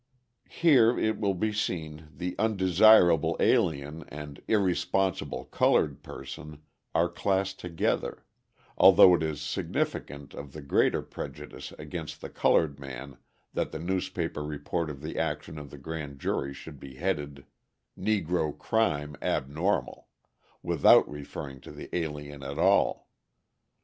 Here, it will be seen, the "undesirable alien" and "irresponsible coloured person" are classed together, although it is significant of the greater prejudice against the coloured man that the newspaper report of the action of the grand jury should be headed "Negro Crime Abnormal," without referring to the alien at all.